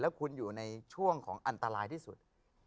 คุณอยู่ในช่วงของอันตรายที่สุด